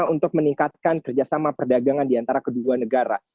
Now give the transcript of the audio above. guna untuk meningkatkan kerjasama perdagangan di antara kedua negara